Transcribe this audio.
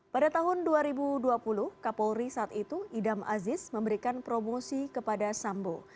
pada tahun dua ribu dua puluh kapolri saat itu idam aziz memberikan promosi kepada sambo